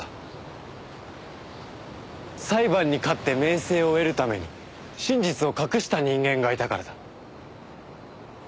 裁判に勝って名声を得るために真実を隠した人間がいたからだ。